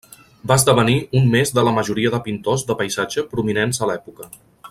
Va esdevenir un més de la majoria de pintors de paisatge prominents a l'època.